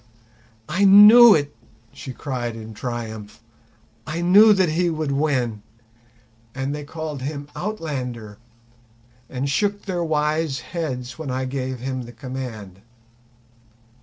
"I knew it," she cried in triumph. "I knew that he would win; and they called him Outlander, and shook their wise heads when I gave him the command!